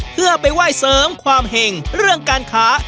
เพื่อไปไหว้เสริมความเห็งเรื่องการค้า